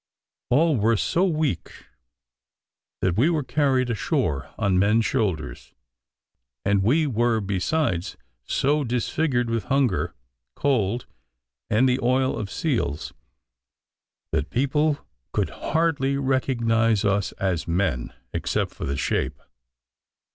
All were so weak that we were carried ashore on men's shoulders; and we were besides so disfigured with hunger, cold and the oil of seals, that people could hardly recognise us as men, except for the shape.